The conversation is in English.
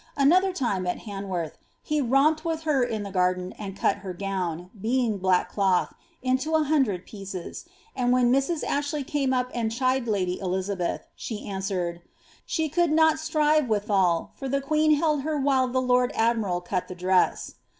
Another time, at Han worth, he romped with her in the garden, and cut her gown, being black cloth, into a hondred pieces, and when Mrs. Ashley came up and chid lady Elizabeth, she answered, ^ she could not strive with all, for the queen held her while the lord admiral cut t)ie dress.'